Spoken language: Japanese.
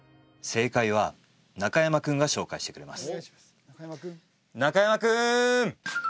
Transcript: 正解は中山君が紹介してくれます中山君！